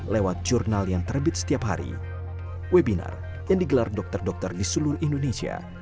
lewat jurnal yang terbit setiap hari webinar yang digelar dokter dokter di seluruh indonesia